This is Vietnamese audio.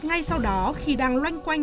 ngay sau đó khi đang loanh quanh